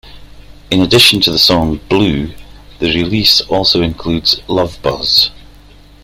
In addition to the song "Blew", the release also includes "Love Buzz".